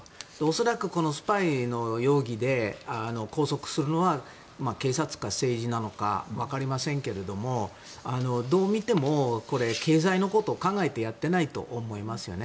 恐らくスパイの容疑で拘束するのは警察か政治なのか分かりませんけどどう見ても、経済のことを考えてやっていないと思いますよね。